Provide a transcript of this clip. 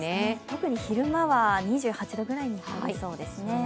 特に昼間は２８度くらいになりそうですね。